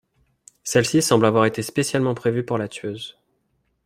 Celle-ci semble avoir été spécialement prévue pour la Tueuse.